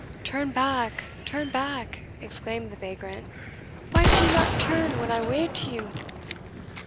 "Turn back! turn back!" exclaimed the vagrant; "why did ye not turn when I waved to you?"